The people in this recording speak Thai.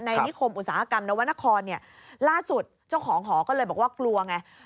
นิคมอุตสาหกรรมนวรรณครเนี่ยล่าสุดเจ้าของหอก็เลยบอกว่ากลัวไง